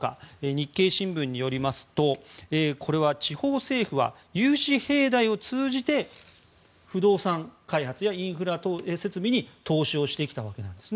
日経新聞によりますと地方政府は融資平台を通じて不動産開発やインフラ設備に投資してきたわけです。